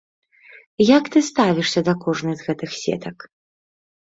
Як ты ставішся да кожнай з гэтых сетак?